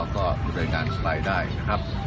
ก็อยู่ในการฝ่ายได้นะครับ